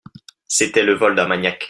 C'était le vol d'un maniaque.